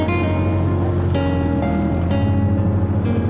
nih masih ya